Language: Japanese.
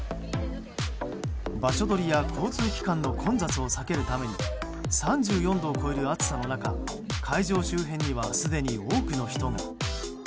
場所取りや交通機関の混雑を避けるために３４度を超える暑さの中会場周辺にはすでに多くの人が。